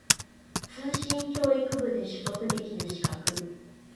通信教育部で取得できる資格